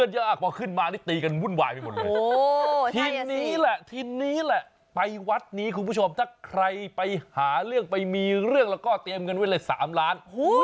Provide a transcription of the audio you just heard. หาเรื่องไปมีเรื่องเรื่องแล้วก็เตรียมเงินเลย๓ล้าน